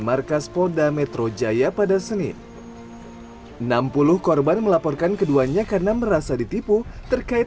markas polda metro jaya pada senin enam puluh korban melaporkan keduanya karena merasa ditipu terkait